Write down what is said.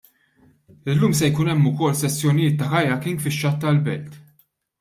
Illum se jkun hemm ukoll sessjonijiet ta' kayaking fix-xatt tal-Belt.